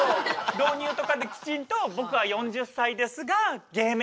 導入とかできちんと僕は４０歳ですが芸名